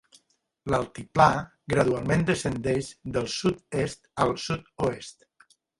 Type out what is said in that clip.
L'altiplà gradualment descendeix del sud-est al sud-oest.